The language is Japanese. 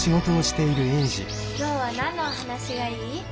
・今日は何のお話がいい？